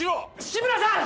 ・志村さん！